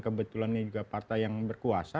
kebetulan ini juga partai yang berkuasa